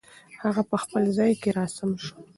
هغه په خپل ځای کې را سم شو.